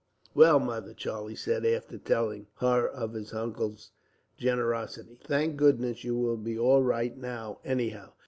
"Well, Mother," Charlie said, after telling her of his uncle's generosity, "thank goodness you will be all right now, anyhow.